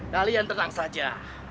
kalian tenang saja